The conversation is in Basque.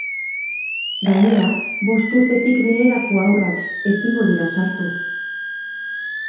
Gainera, bost urtetik beherako haurrak ezingo dira sartu.